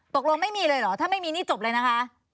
ตกลงไม่มีเลยเหรอถ้าไม่มีนี่จบเลยนะคะ